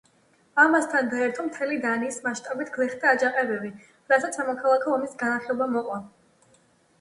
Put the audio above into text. ამას თან დაერთო მთელი დანიის მასშტაბით გლეხთა აჯანყებები, რასაც სამოქალაქო ომის განახლება მოჰყვა.